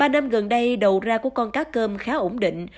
ba năm gần đây đầu ra của con cá cơm khá ổn định